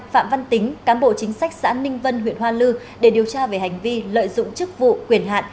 phạm văn tính cán bộ chính sách xã ninh vân huyện hoa lư để điều tra về hành vi lợi dụng chức vụ quyền hạn